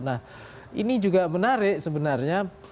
nah ini juga menarik sebenarnya